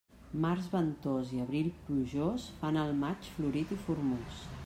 Març ventós i abril plujós fan el maig florit i formós.